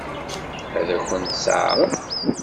Ad kent-t-teɛṛeḍ?